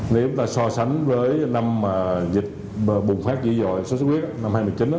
nếu ta so sánh với năm dịch bùng phát dĩ dội sốt xuất huyết năm hai nghìn một mươi chín